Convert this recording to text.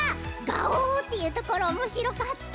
「がおー！」っていうところおもしろかった。